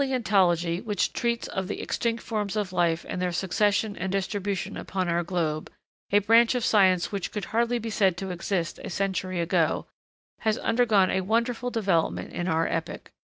] Palæontology, which treats of the extinct forms of life and their succession and distribution upon our globe, a branch of science which could hardly be said to exist a century ago, has undergone a wonderful development in our epoch.